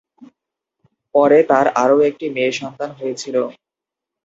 পরে তাঁর আরও একটি মেয়ে সন্তান হয়েছিল।